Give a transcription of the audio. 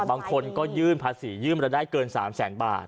บางคนก็ยื่นภาษียื่นรายได้เกิน๓แสนบาท